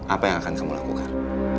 apa yang akan kamu lakukan